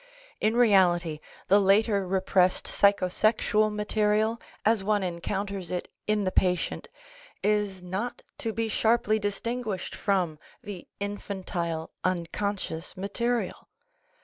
In reality, the later repressed psycho sexual material, as one encounters it in the patient, is not to be sharply distinguished from the infantile unconscious mate rial.